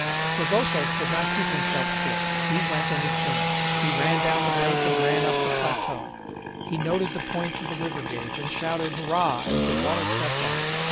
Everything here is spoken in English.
Fragoso could not keep himself still; he went and he came, he ran down the bank and ran up the plateau, he noted the points of the river gauge, and shouted "Hurrah!" as the water crept up.